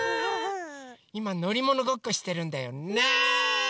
いまのりものごっこしてるんだよ。ね！